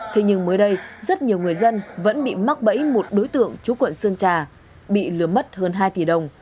thế nhưng mới đây rất nhiều người dân vẫn bị mắc bẫy một đối tượng chú quận sơn trà bị lừa mất hơn hai tỷ đồng